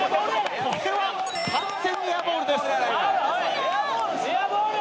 これは完全にエアボールです。